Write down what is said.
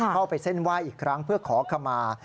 เข้าไปเส้นไหว้อีกครั้งเพื่อขอขมา